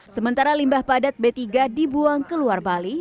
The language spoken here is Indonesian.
sementara limbah padat b tiga dibuang ke luar bali